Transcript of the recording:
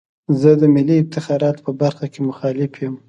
زه د ملي افتخاراتو په برخه کې مخالف یم.